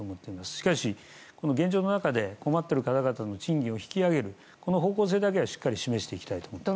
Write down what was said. しかし、現状の中で困っている方々の賃金を引き上げる方向性だけはしっかり示したいと思います。